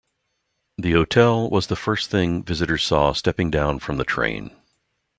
The hotel was the first thing visitors saw stepping down from the train.